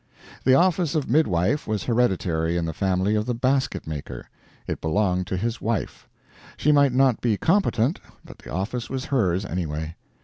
The office of midwife was hereditary in the family of the basket maker. It belonged to his wife. She might not be competent, but the office was hers, anyway.